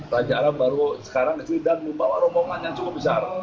raja arab baru sekarang kesini dan membawa rombongan yang cukup besar